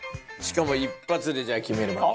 しかも一発でじゃあ決める。